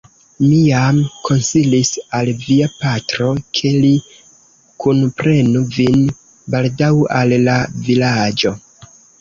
Mi jam konsilis al via patro, ke li kunprenu vin baldaŭ al la Vilaĝo.